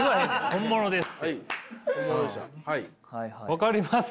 分かります？